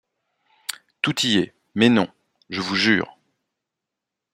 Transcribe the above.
Tout y est, mais non, je vous jure.